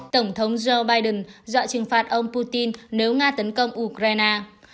tổng thống joe biden dọa trừng phạt ông putin nếu nga tấn công ukraine